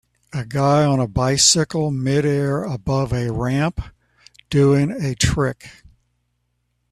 A guy on a bicycle midair above a ramp, doing a trick.